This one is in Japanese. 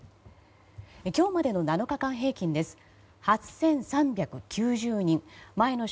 今日までの７日間平均です。